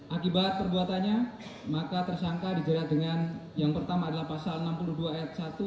akibat perbuatannya maka tersangka dijerat dengan yang pertama adalah pasal enam puluh dua ayat satu